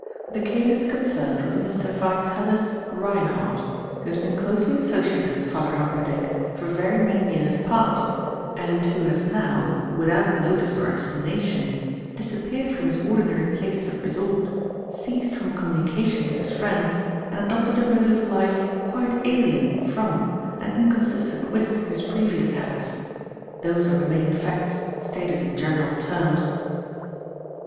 The case is concerned with a Mr. Vitalis Reinhardt, who has been closely associated with Father Humperdinck for very many years past, and who has now, without notice or explanation, disappeared from his ordinary places of resort, ceased from communication with his friends, and adopted a mode of life quite alien from and inconsistent with his previous habits. Those are the main facts, stated in general terms."